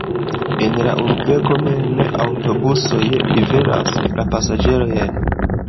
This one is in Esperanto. En la urbego mem aŭtobusoj liveras la pasaĝerojn.